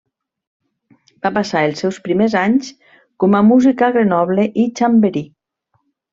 Va passar els seus primers anys com a músic a Grenoble i Chambéry.